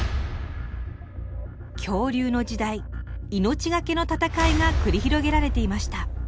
恐竜の時代命懸けの戦いが繰り広げられていました。